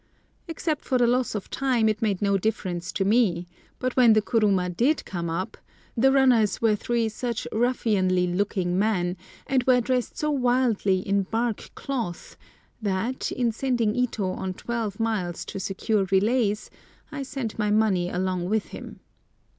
Except for the loss of time it made no difference to me, but when the kuruma did come up the runners were three such ruffianly looking men, and were dressed so wildly in bark cloth, that, in sending Ito on twelve miles to secure relays, I sent my money along with him.